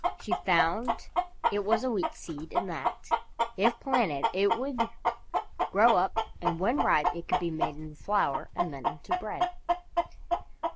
She found it was a Wheat Seed and that, if planted, it would grow up and when ripe it could be made into flour and then into bread.